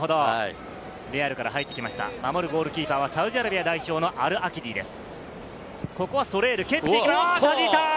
レアルから入ってきました守るゴールキーパーはサウジアラビア代表のアルアキディです。